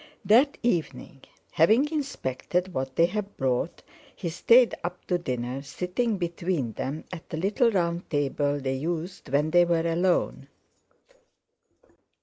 That evening, having inspected what they had brought, he stayed up to dinner, sitting between them at the little round table they used when they were alone.